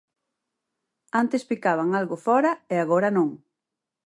Antes picaban algo fóra e agora non.